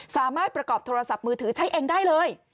สามารถประกอบโทรศัพท์มือถือใช้เองได้เลย